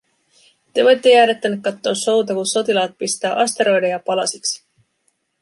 "te voitte jäädä tänne kattoo show'ta, ku sotilaat pistää asteroideja palasiks.